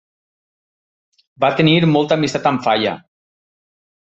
Va tenir molta amistat amb Falla.